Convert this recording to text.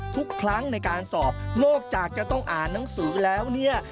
ทุกครั้งในการสอบนอกจากจะต้องอ่านหนังสือแล้วเนี่ย